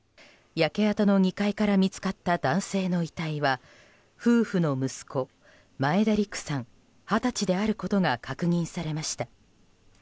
焼け跡の２階から見つかった男性の遺体は夫婦の息子前田陸さん、二十歳であることが確認されました。